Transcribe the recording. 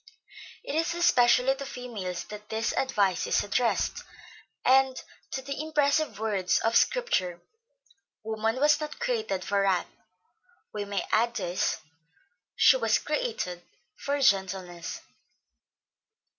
It is especially to females that this advice is addressed, and to the impressive words of Scripture, 'woman was not created for wrath,' we may add these, 'she was created for gentleness.'